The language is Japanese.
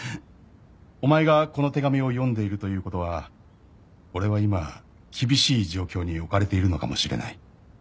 「お前がこの手紙を読んでいるということは俺は今厳しい状況に置かれているのかもしれない」